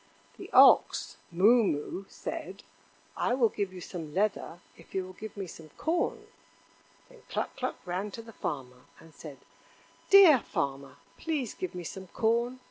The ox, Moo moo, said: "I will give you some leather if you will give me some corn." Then Cluck cluck ran to the Farmer and said: "Dear Farmer, please give me some corn.